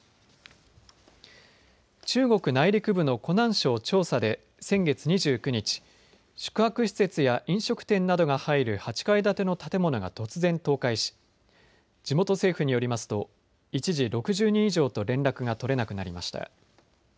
中国内陸部の湖南省長沙で先月２９日、宿泊施設や飲食店などが入る８階建ての建物が突然、倒壊し地元政府によりますと一時６０人以上と連絡が取れなくなりました。